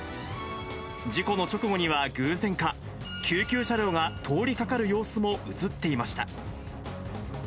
事故の直後には偶然か、救急車両が通りかかる様子も写っていました。